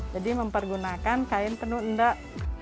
jadi mempergunakan kain tenun endek